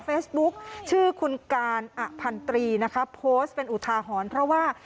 เฟซบุ๊กชื่อคุณการอะพันตรีนะคะโพสต์เป็นอุทาหอนเพราะว่า